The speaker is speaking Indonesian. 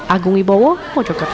agung ibowo mojokert